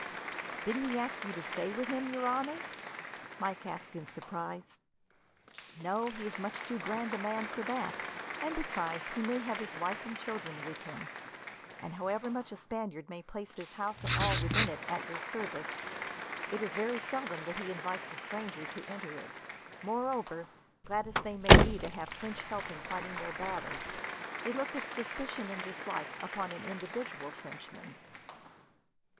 "Didn't he ask you to stay with him, your honour?" Mike asked in surprise. "No. He is much too grand a man for that, and besides, he may have his wife and children with him; and however much a Spaniard may place his house and all within it at your service, it is very seldom that he invites a stranger to enter it. Moreover, glad as they may be to have French help in fighting their battles, they look with suspicion and dislike upon an individual Frenchman.